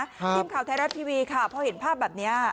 ทีมข่าวไทยรัฐทีวีค่ะพอเห็นภาพแบบนี้